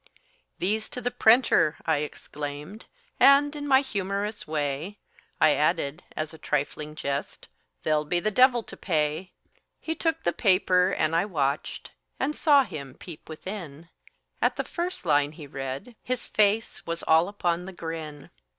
"These to the printer," I exclaimed, And, in my humorous way, I added, (as a trifling jest,) "There'll be the devil to pay." He took the paper, and I watched, And saw him peep within; At the first line he read, his face Was all upon the grin.